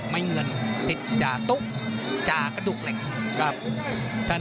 มันมีรายการมวยนัดใหญ่อยู่นัด